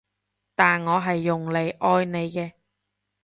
但我係用嚟愛你嘅